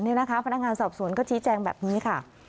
พนักงานสอบสวนก็ชี้แจงแบบนี้ค่ะ